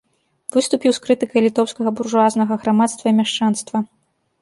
Выступіў з крытыкай літоўскага буржуазнага грамадства і мяшчанства.